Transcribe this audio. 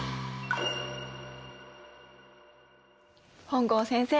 本郷先生。